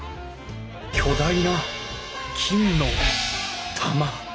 巨大な金の玉。